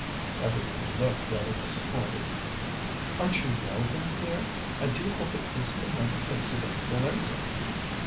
Everybody looked rather disappointed. "Aren't you well, then, dear? I do hope it isn't another case of influenza."